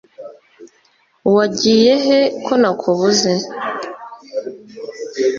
wagiye he ko nakubuze?